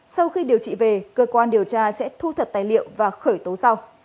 sau khi điều trị về cơ quan điều tra sẽ thu thập tài liệu và khởi tố sau